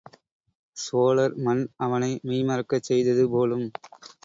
சோழர் மண் அவனை மெய்மறக்கச் செய்தது போலும்!